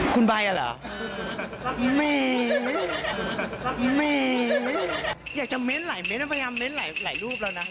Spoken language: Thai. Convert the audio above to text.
คุณใบท์อ่ะเหรอแม่แม่อยากจะเม้นท์หลายเม้นท์แล้วพยายามเม้นท์หลายหลายรูปแล้วนะ